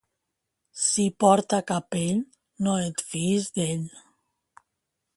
Si porta capell, no et fiïs d'ell.